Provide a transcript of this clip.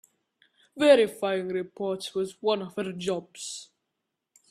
Verifying reports was one of her jobs.